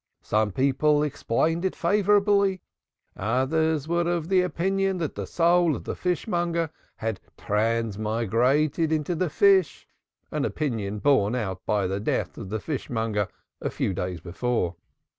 Some people explained it favorably. Others were of opinion that the soul of the fishmonger had transmigrated into the fish, an opinion borne out by the death of the fishmonger a few days before.